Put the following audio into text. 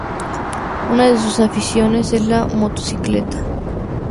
Una de sus aficiones es la motocicleta.